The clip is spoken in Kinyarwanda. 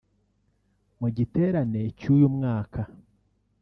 Mu giterane cy'uyu mwaka